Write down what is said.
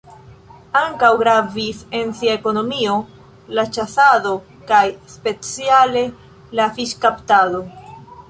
Ankaŭ gravis en sia ekonomio la ĉasado kaj speciale la fiŝkaptado.